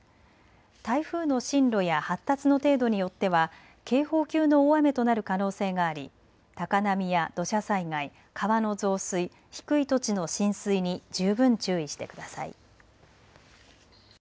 台風の進路や発達の程度によっては警報級の大雨となる可能性があり高波や土砂災害、川の増水、低い土地の浸水に十分注意してください。